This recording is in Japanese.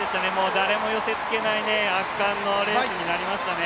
誰も寄せ付けない圧巻のレースになりましたね。